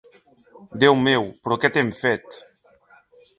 Déu meu, però què t'hem fet?